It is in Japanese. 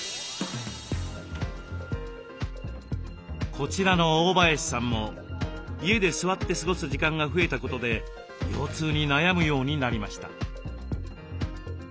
こちらの大林さんも家で座って過ごす時間が増えたことで腰痛に悩むようになりました。